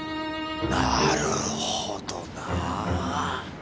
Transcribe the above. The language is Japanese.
なるほどなぁ。